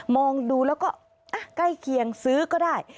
องดูแล้วก็ใกล้เคียงซื้อก็ได้